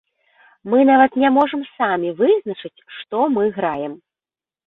Мы нават не можам самі вызначыць, што мы граем.